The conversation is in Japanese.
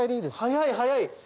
早い早い！